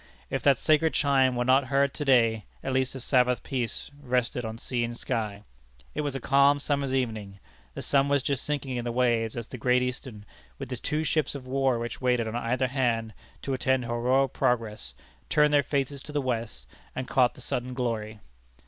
If that sacred chime were not heard to day, at least a Sabbath peace rested on sea and sky. It was a calm summer's evening. The sun was just sinking in the waves, as the Great Eastern, with the two ships of war which waited on either hand, to attend her royal progress, turned their faces to the West, and caught the sudden glory.